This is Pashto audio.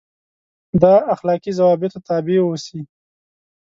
دا اخلاقي ضوابطو تابع اوسي.